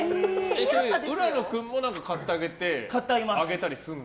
浦野君も買ってあげたりするの？